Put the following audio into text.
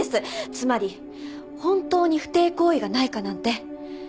つまり本当に不貞行為がないかなんて。